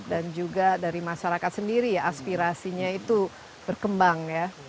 dan juga dari masyarakat sendiri ya aspirasinya itu berkembang ya